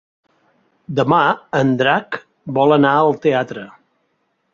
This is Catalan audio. Demà en Drac vol anar al teatre.